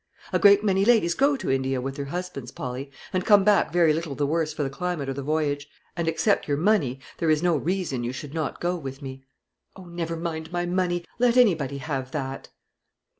A great many ladies go to India with their husbands, Polly, and come back very little the worse for the climate or the voyage; and except your money, there is no reason you should not go with me." "Oh, never mind my money; let anybody have that."